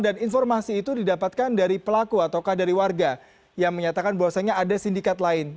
dan informasi itu didapatkan dari pelaku atau dari warga yang menyatakan bahwasannya ada sindikat lain